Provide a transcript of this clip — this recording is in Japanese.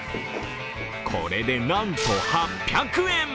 これでなんと８００円。